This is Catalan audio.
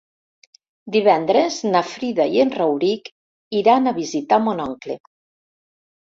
Divendres na Frida i en Rauric iran a visitar mon oncle.